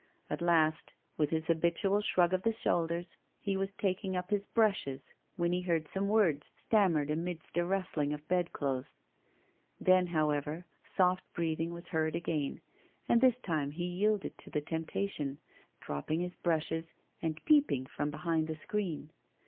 At last, with his habitual shrug of the shoulders, he was taking up his brushes, when he heard some words stammered amidst a rustling of bed clothes. Then, however, soft breathing was heard again, and this time he yielded to the temptation, dropping his brushes, and peeping from behind the screen.